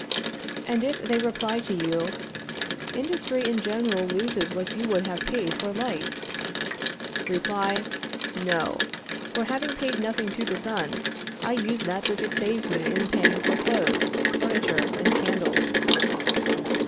And if they reply to you: Industry in general loses what you would have paid for lights Retort: No, for having paid nothing to the sun, I use that which it saves me in paying for clothes, furniture and candles.